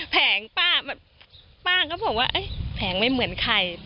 แผงป้าแบบป้าก็บอกว่าแผงไม่เหมือนใคร